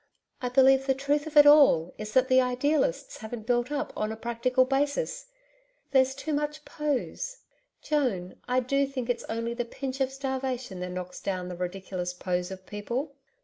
I believe the truth of it all is that the idealists haven't built up on a practical basis. There's too much POSE. Joan, I do think it's only the pinch of starvation that knocks down the ridiculous POSE of people.'